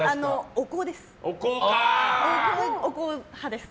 お香派です。